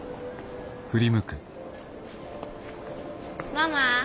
ママ。